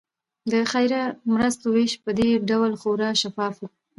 د خیریه مرستو ویش په دې ډول خورا شفاف وي.